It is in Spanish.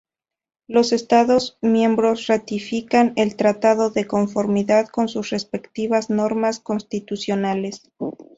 Los estados miembros ratifican el Tratado de conformidad con sus respectivas normas constitucionales.